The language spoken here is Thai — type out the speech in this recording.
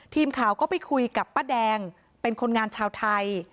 ทีมข่าวก็ไปคุยกับป้าแดงเป็นคนงานชาวไทย